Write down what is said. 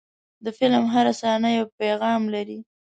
د فلم هره صحنه یو پیغام لري.